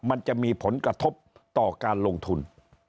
มันจะมีผลกระทบต่อการลงทุน